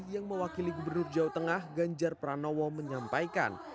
yang mewakili gubernur jawa tengah ganjar pranowo menyampaikan